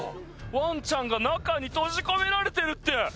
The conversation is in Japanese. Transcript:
ワンちゃんが中に閉じ込められてるって！